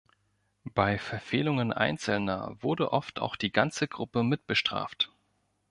Bei Verfehlungen einzelner wurde oft auch die ganze Gruppe mit bestraft.